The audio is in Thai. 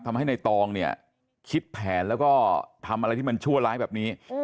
ทำให้ในตองเนี่ยคิดแผนแล้วก็ทำอะไรที่มันชั่วร้ายแบบนี้